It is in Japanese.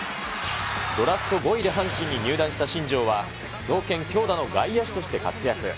ドラフト５位で阪神に入団した新庄は、強肩、強打の外野手として活躍。